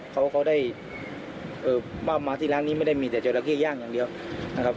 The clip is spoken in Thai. เขาได้เป้ามาที่ร้านนี้ไม่ได้มีแต่จราเข้ย่างอย่างเดียวนะครับ